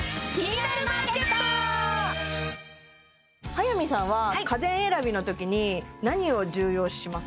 早見さんは家電選びのときに何を重要視します？